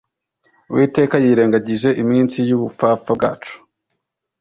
Uwiteka yirengagije iminsi y’ubupfapfa bwacu